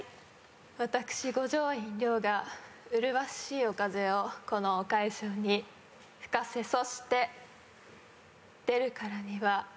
私五条院凌が麗しいお風をこのお会場に吹かせそして出るからには。